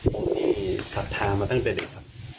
ผมมีศักดิ์ธรรมมาตั้งแต่เด็กครับ